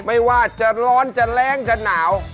ไม่ว่าจะร้อนจะแรงจะหนาว